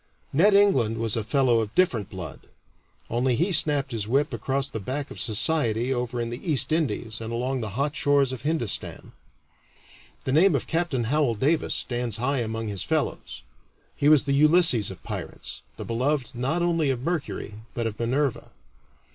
"Ned" England was a fellow of different blood only he snapped his whip across the back of society over in the East Indies and along the hot shores of Hindustan. The name of Capt. Howel Davis stands high among his fellows. He was the Ulysses of pirates, the beloved not only of Mercury, but of Minerva.